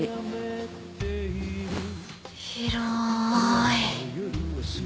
広い。